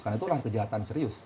karena itu adalah kejahatan serius